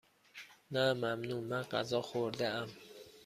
نه ممنون، من غذا خوردهام.